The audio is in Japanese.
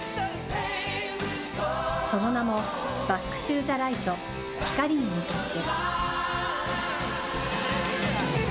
その名も、バック・トゥ・ザ・ライト光に向かって。